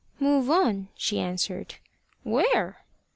"Move on," she answered. "Where?"